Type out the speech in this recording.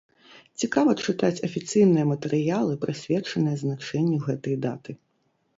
Цікава чытаць афіцыйныя матэрыялы, прысвечаныя значэнню гэтай даты.